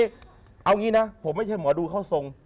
เอางี้นะผมไม่ใช่หมอดูเข้าทรง